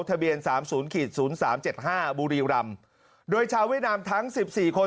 ทะเบียน๓๐๐๓๗๕บูรีรัมโดยชาวเวียดนามทั้ง๑๔คน